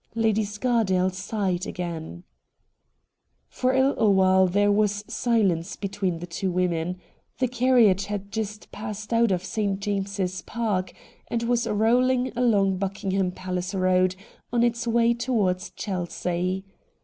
Lady Scardale sighed again. For a little while there was silence between the two women. The carriage had just passed out of St. James's Park, and was rolling along Buckingham Palace Eoad on its way towards Chelsea.